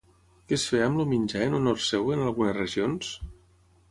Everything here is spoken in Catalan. Què es feia amb el menjar en honor seu en algunes regions?